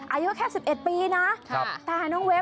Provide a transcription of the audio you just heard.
อายุแค่๑๑ปีนะ